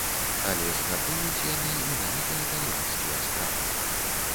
Але ж гатуюць яны менавіта італьянскія стравы.